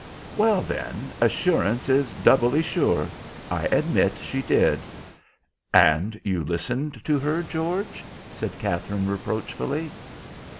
"Well, then, assurance is doubly sure. I admit she did." "And you listened to her, George?" said Katherine, reproachfully.